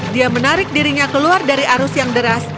dia menarik dirinya keluar dari arus yang deras